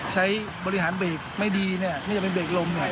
ใช้บริหารเบรกไม่ดีนี่นี่จะเป็นเบรกลม